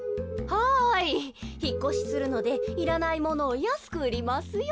はいひっこしするのでいらないものをやすくうりますよ。